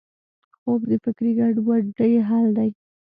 خوب د فکري ګډوډۍ حل دی